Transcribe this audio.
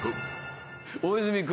大泉君。